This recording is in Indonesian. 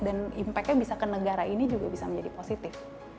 dan impactnya bisa ke negara ini juga bisa menjadi positif